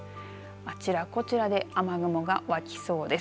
あちらこちらで雨雲が湧きそうです。